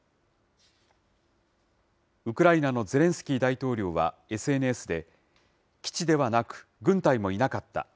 ウクライナのゼレンスキー大統領はＳＮＳで、基地ではなく、軍隊もいなかった。